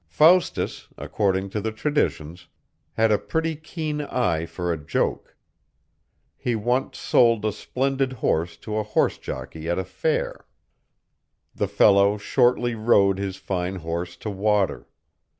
Faustus, according to the traditions, had a pretty keen eye for a joke. He once sold a splendid horse to a horse jockey at a fair. The fellow shortly rode his fine horse to water.